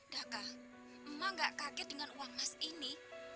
daka mak gak kaget dengan uang mas ini